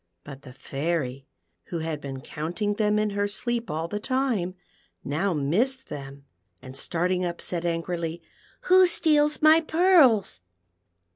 But the Fairy, wlio had been counting them in her sleep all the time, now missed them, and starting up, said angrily, " Who steals my pearls